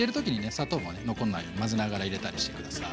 砂糖もね残んないように混ぜながら入れたりして下さい。